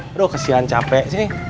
bro kesian capek sih